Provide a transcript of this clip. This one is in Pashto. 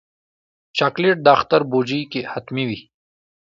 چاکلېټ د اختر بوجۍ کې حتمي وي.